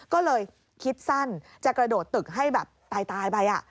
ก็เลยคิดสั้นจะกระโดดตึกให้แบบตายไป